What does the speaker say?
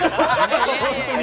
本当に。